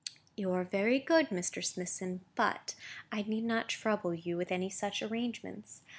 "You are very good, Mr. Smithson, but I need not trouble you with any such arrangements.